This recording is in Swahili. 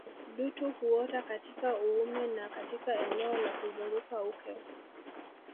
Dutu huota katika uume na katika eneo la kuzunguka uke